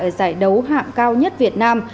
ở giải đấu hạng cao nhất việt nam